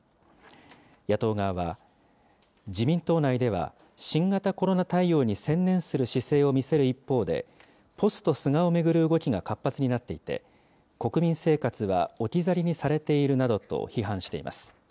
野党側は、自民党内では新型コロナ対応に専念する姿勢を見せる一方で、ポスト菅を巡る動きが活発になっていて、国民生活は置き去りにされているなどと、批判しています。